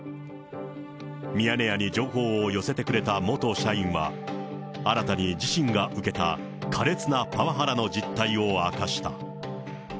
ミヤネ屋に情報を寄せてくれた元社員は、新たに自身が受けた苛烈なパワハラの実態を明かした。